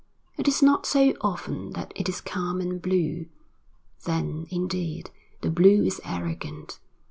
It is not so often that it is calm and blue. Then, indeed, the blue is arrogant.